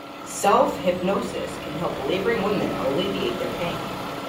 Self-hypnosis can help laboring women alleviate their pain.